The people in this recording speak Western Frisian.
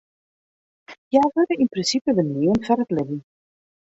Hja wurde yn prinsipe beneamd foar it libben.